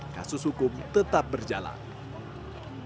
kasus hukum tetap berjalan